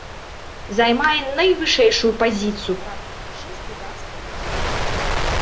Займае найвышэйшую пазіцыю ў парадку старшынства дацкіх узнагарод.